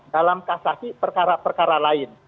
dalam kasasi perkara perkara lain